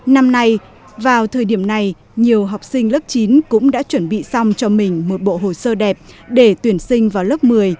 năm nay vào thời điểm này nhiều học sinh lớp chín cũng đã chuẩn bị xong cho mình một bộ hồ sơ đẹp để tuyển sinh vào lớp một mươi